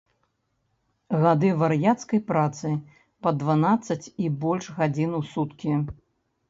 Гады вар'яцкай працы па дванаццаць і больш гадзін у суткі.